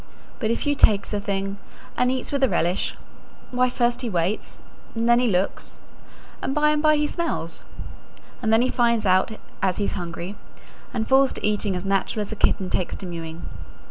But if you takes a thing, and eats with a relish, why first he waits, and then he looks, and by and by he smells; and then he finds out as he's hungry, and falls to eating as natural as a kitten takes to mewing.